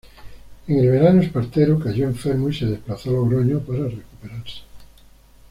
En el verano Espartero cayó enfermo y se desplazó a Logroño para recuperarse.